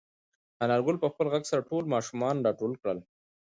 انارګل په خپل غږ سره ټول ماشومان راټول کړل.